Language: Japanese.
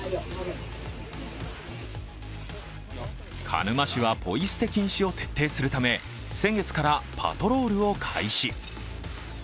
鹿沼市はポイ捨て禁止を徹底するため先月からパトロールを開始。